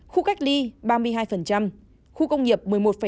năm mươi bốn ba mươi một khu cách ly ba mươi hai khu công nghiệp một mươi một năm mươi năm